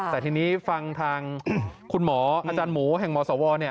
แต่ทีนี้ฟังทางคุณหมออาจารย์หมูแห่งมสว